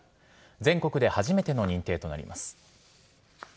全国で初めての認定となります。